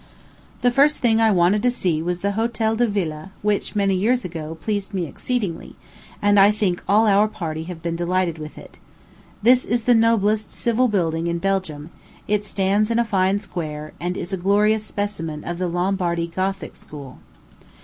The first thing I wanted to see was the Hotel de Villa, which, many years ago, pleased me exceedingly; and I think all our party have been delighted with it. This is the noblest civil building in Belgium; it stands in a fine square, and is a glorious specimen of the Lombardy Gothic school.